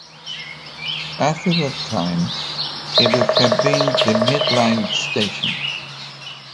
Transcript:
After that time it would have been the Midland Station.